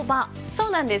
そうなんです